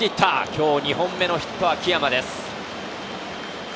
今日２本目のヒット、秋山です。